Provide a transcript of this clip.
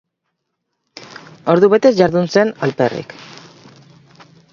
Ordu betez jardun zen, alperrik.